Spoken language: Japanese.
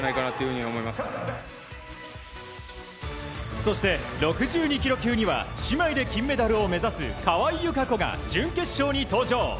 そして、６２ｋｇ級には姉妹で金メダルを目指す川井友香子が準決勝に登場。